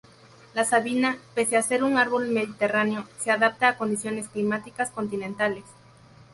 La sabina, pese a ser una árbol mediterráneo, se adapta a condiciones climáticas continentales.